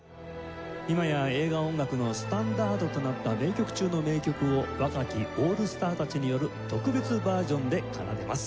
今や映画音楽のスタンダードとなった名曲中の名曲を若きオールスターたちによる特別バージョンで奏でます。